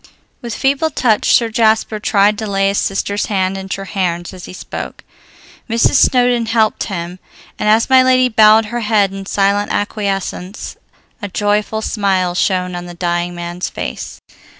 With feeble touch Sir Jasper tried to lay his sister's hand in Treherne's as he spoke; Mrs. Snowdon helped him, and as my lady bowed her head in silent acquiescence, a joyful smile shone on the dying man's face.